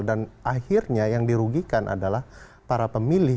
dan akhirnya yang dirugikan adalah para pemilih